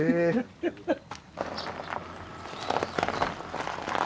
ハハハッ。